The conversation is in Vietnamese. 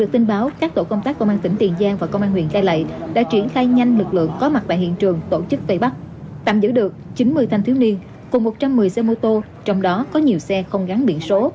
tạm giữ được chín mươi thanh thiếu niên cùng một trăm một mươi xe mô tô trong đó có nhiều xe không gắn biển số